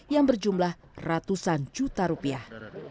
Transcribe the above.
yang berjumlah ratusan juta rupiah